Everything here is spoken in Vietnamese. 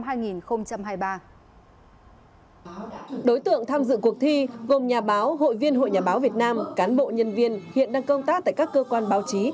đối tượng tham dự cuộc thi gồm nhà báo hội viên hội nhà báo việt nam cán bộ nhân viên hiện đang công tác tại các cơ quan báo chí